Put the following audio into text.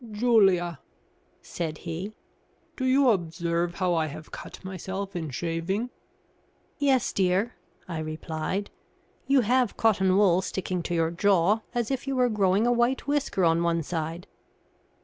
"Julia," said he, "do you observe how I have cut myself in shaving?" "Yes, dear," I replied. "You have cotton wool sticking to your jaw, as if you were growing a white whisker on one side."